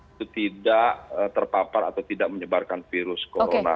itu tidak terpapar atau tidak menyebarkan virus corona